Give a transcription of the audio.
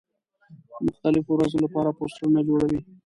د مختلفو ورځو له پاره پوسټرونه جوړوي.